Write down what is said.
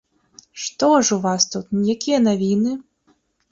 Што ж у вас тут, якія навіны?